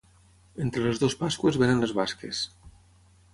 Entre les dues Pasqües venen les basques.